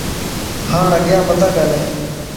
ھاڻ اڳيان متان ڳالھائين